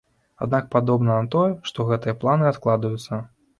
Аднак падобна на тое, што гэтыя планы адкладаюцца.